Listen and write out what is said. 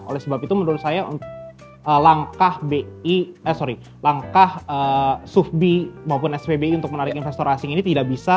oleh sebab itu menurut saya langkah bi eh sorry langkah sufbi maupun spbi untuk menarik investor asing ini tidak bisa